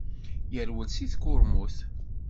Yerwel seg tkurmut.